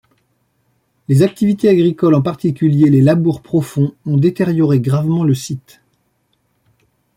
Les activités agricoles en particulier les labours profonds ont détérioré gravement le site.